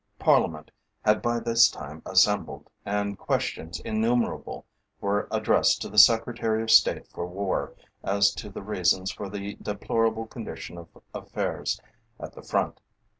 Parliament had by this time assembled, and questions innumerable were addressed to the Secretary of State for War as to the reasons for the deplorable condition of affairs at the Front.